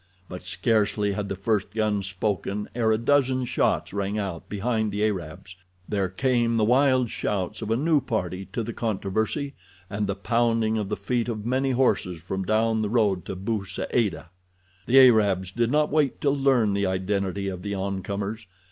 But scarcely had the first gun spoken ere a dozen shots rang out behind the Arabs. There came the wild shouts of a new party to the controversy, and the pounding of the feet of many horses from down the road to Bou Saada. The Arabs did not wait to learn the identity of the oncomers.